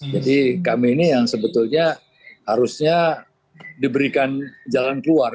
jadi kami ini yang sebetulnya harusnya diberikan jalan keluar